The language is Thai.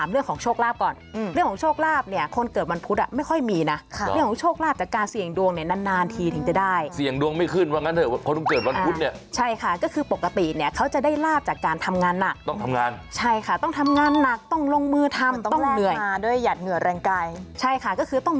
เรียกว่ากลับมาพังงาดเลยโอ้โฮ